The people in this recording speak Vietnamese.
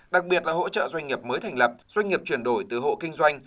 đặc biệt là hỗ trợ doanh nghiệp mới thành lập doanh nghiệp chuyển đổi từ hộ kinh doanh